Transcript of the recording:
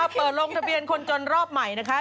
เปิดลงทะเบียนคนจนรอบใหม่นะคะ